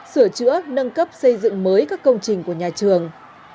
sửa chữa nâng cấp xây dựng mới các công trình của nhà trường